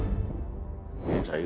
trần ngọc hiếu